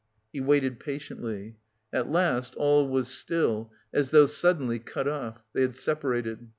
He waited patiently. At last all was still, as though suddenly cut off; they had separated.